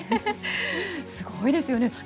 すごいですよね。